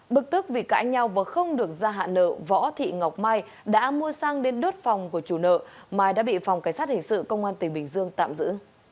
bực tức vì cãi nhau và không được ra hạ nợ võ thị ngọc mai đã mua xăng đến đốt phòng của chủ nợ mai đã bị phòng cảnh sát hình sự công an tỉnh bình dương tạm giữ